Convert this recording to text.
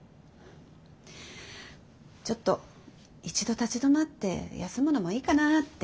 ちょっと一度立ち止まって休むのもいいかなって。